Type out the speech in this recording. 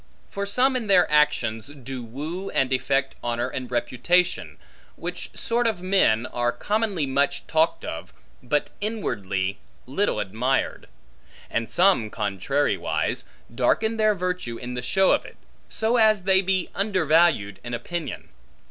For some in their actions, do woo and effect honor and reputation, which sort of men, are commonly much talked of, but inwardly little admired. And some, contrariwise, darken their virtue in the show of it; so as they be undervalued in opinion.